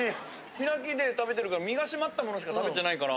開きで食べてるから身がしまったものしか食べてないから。